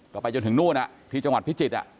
ก็ไปจนถึงนู่นที่จังหวัดพิจิตร